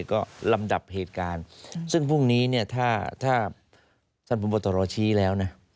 ก็ลำดับเหตุการณ์ซึ่งพรุ่งนี้เนี่ยถ้าท่านพบตรชี้แล้วนะ